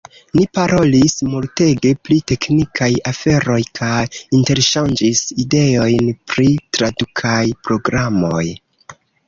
Ni parolis multege pri teknikaj aferoj kaj interŝanĝis ideojn pri tradukaj programoj.